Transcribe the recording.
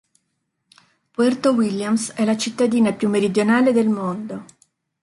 Puerto Williams è la cittadina più meridionale del mondo.